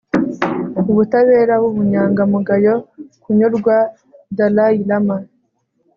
ubutabera n'ubunyangamugayo, kunyurwa. - dalai lama